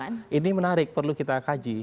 nah ini menarik perlu kita kaji